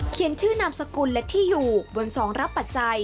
ชื่อนามสกุลและที่อยู่บนสองรับปัจจัย